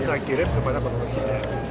saya kirim kepada bapak presiden